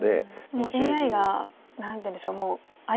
もうＡＩが何ていうんでしょう